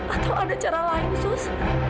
atau ada cara lain sus